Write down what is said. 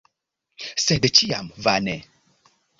Sed ĉiam vane.